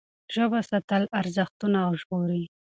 ژبه ساتل ارزښتونه ژغوري.